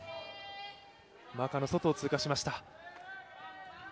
マーカーの外を通過しました。